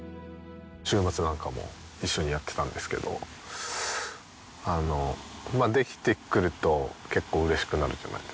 週末なんかも一緒にやってたんですけどできてくると結構嬉しくなるじゃないですか。